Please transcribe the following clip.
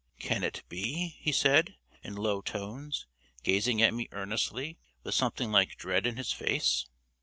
"Can it be?" he said, in low tones, gazing at me earnestly, with something like dread in his face.